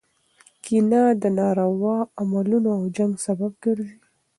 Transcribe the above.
کینه د ناروا اعمالو او جنګ سبب ګرځي.